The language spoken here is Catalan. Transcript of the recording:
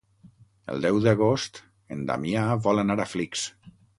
El deu d'agost en Damià vol anar a Flix.